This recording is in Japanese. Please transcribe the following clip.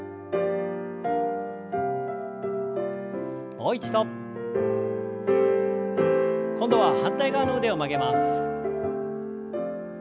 もう一度。今度は反対側の腕を曲げます。